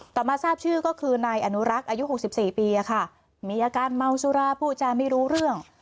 มาทราบชื่อก็คือนายอนุรักษ์อายุ๖๔ปีมีอาการเมาสุราผู้จาไม่รู้เรื่อง